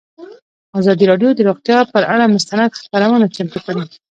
ازادي راډیو د روغتیا پر اړه مستند خپرونه چمتو کړې.